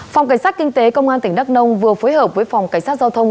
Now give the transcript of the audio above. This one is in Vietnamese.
phòng cảnh sát kinh tế công an tỉnh đắk nông vừa phối hợp với phòng cảnh sát giao thông